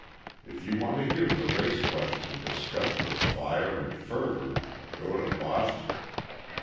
If you want to hear the race question discussed with fire and fervour, go to Boston!